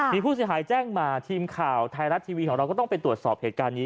มีผู้เสียหายแจ้งมาทีมข่าวไทยรัฐทีวีของเราก็ต้องไปตรวจสอบเหตุการณ์นี้